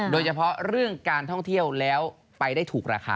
โดยเฉพาะเรื่องการท่องเที่ยวแล้วไปได้ถูกราคา